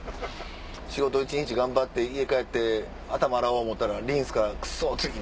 仕事一日頑張って家帰って頭洗おう思たら「リンスがくそ！」って時に。